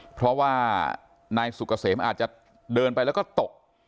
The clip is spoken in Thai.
เพราะว่านายสุกเกษมอาจจะเดินไปแล้วก็ตก